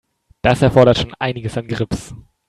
Das erfordert schon einiges an Grips.